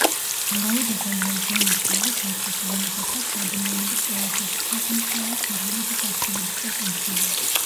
ვარაუდობენ, რომ „ზონაში“ არის ოთახი, რომელსაც აქვს ადამიანების ყველაზე სიღრმისეული სურვილების ასრულების პოტენციალი.